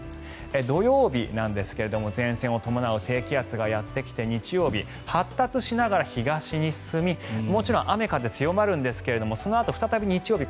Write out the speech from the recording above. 土曜日なんですが前線を伴う低気圧がやってきて日曜日、発達しながら東に進みもちろん雨風強まるんですがそのあと再び日曜日